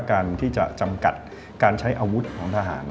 ต้องจำกัดการใช้อาวุธของทหาร